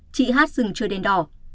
chị hát dừng chờ đèn đỏ